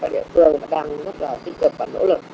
địa phương đang rất là tích cực và nỗ lực